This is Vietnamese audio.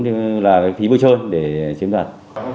như là phí bưu trơn để chiếm đoạt